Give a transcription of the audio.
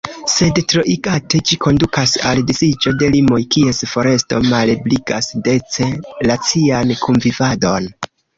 Sed, troigate, ĝi kondukas al disiĝo de limoj, kies foresto malebligas dece racian kunvivadon.